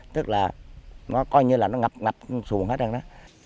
tức là nó coi như là nó ngập ngập xuồng hết rồi đó